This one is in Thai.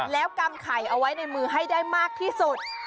แล้วกำไข่เอาไว้ในมือให้ได้มากที่สุด